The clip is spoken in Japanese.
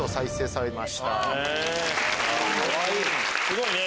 すごいね。